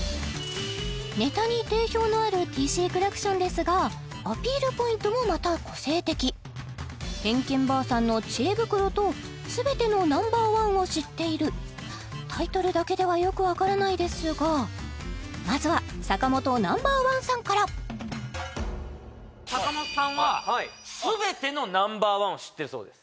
ネタに定評のあるＴＣクラクションですがアピールポイントもまた個性的偏見ばあさんの知恵袋とすべてのＮＯ．１を知っているタイトルだけではよくわからないですがまずは坂本ＮＯ．１さんから坂本さんはすべてのＮＯ．１を知っているそうです